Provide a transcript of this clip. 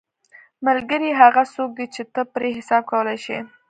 ملګری هغه څوک دی چې ته پرې حساب کولی شې.